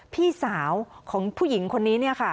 พี่สาวของผู้หญิงคนนี้เนี่ยค่ะ